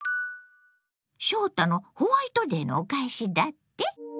翔太のホワイトデーのお返しだって？